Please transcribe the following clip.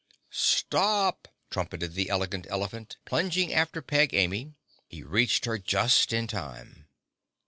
"Stop!" trumpeted the Elegant Elephant, plunging after Peg Amy. He reached her just in time.